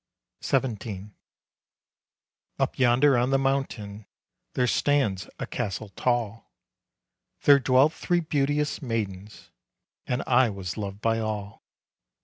XVII. Up yonder on the mountain, There stands a castle tall; There dwelt three beauteous maidens, And I was loved by all.